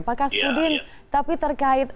pak kas pudin tapi terkait